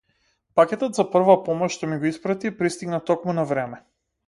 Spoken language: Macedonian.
Пакетот за прва помош што ми го испрати пристигна токму на време.